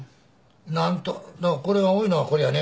何とかこれが多いのはこれやね。